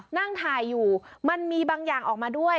นั่งถ่ายอยู่มันมีบางอย่างออกมาด้วย